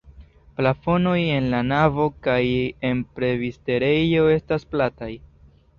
Plafonoj en la navo kaj en presbiterejo estas plataj.